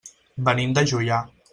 Venim de Juià.